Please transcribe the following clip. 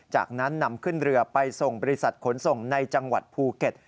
จากนั้นนำขึ้นเรือไปส่งบริษัทขนส่งในจังหวัดภูเก็ต